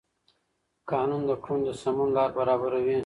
قانون د کړنو د سمون لار برابروي.